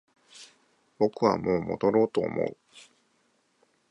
僕はもう戻ろうと思う